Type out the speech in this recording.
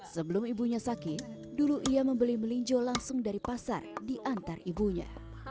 sebelum ibunya sakit dulu iya membeli melinjo langsung dari pasar diantar ibunya